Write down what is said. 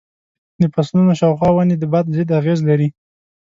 د فصلونو شاوخوا ونې د باد ضد اغېز لري.